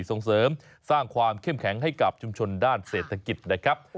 ส่งเสริมสร้างความเข้มแข็งให้กับชุมชนด้านเศรษฐกิจนะครับ